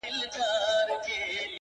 زما په غــېږه كــي نــاســور ويـده دی’